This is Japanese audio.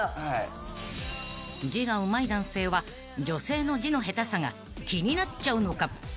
［字がうまい男性は女性の字の下手さが気になっちゃうのか？］